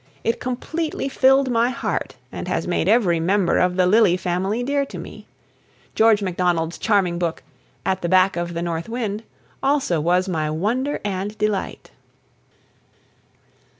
It completely filled my heart, and has made every member of the lily family dear to me. George Macdonald's charming book, "At the Back of the North Wind," also was my wonder and delight.